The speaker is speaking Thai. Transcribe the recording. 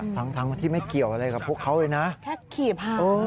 ทั้งทั้งที่ไม่เกี่ยวอะไรกับพวกเขาเลยนะแค่ขี่ผ่าน